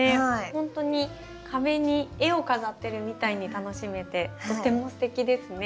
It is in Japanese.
ほんとに壁に絵を飾ってるみたいに楽しめてとてもすてきですね。